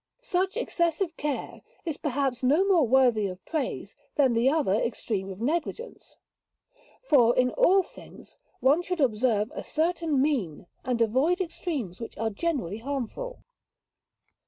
Such excessive care is perhaps no more worthy of praise than the other extreme of negligence, for in all things one should observe a certain mean and avoid extremes, which are generally harmful.